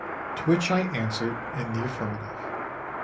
—to which I answered in the affirmative.